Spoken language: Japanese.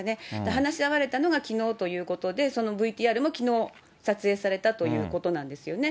話し合われたのがきのうということで、そのＶＴＲもきのう撮影されたということなんですよね。